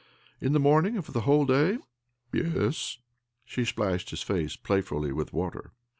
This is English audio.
" In the morning, and for the whole day? " "Yes." She splashed his face playfully with water.